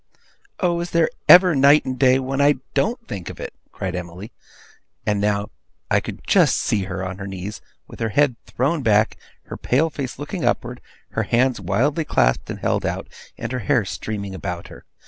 'Oh, is there ever night or day, when I don't think of it!' cried Emily; and now I could just see her, on her knees, with her head thrown back, her pale face looking upward, her hands wildly clasped and held out, and her hair streaming about her.